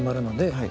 はい。